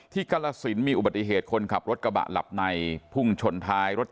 ที่กรรษินตร์มีอุบัติเหตุคนขับรถกระบะหลับในภุ่งชนท้าย